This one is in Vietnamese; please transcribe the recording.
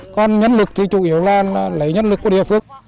còn nhân lực thì chủ yếu là lấy nhân lực của địa phương